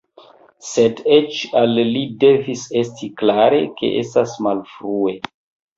Sed eĉ al li devis esti klare, ke estas malfrue.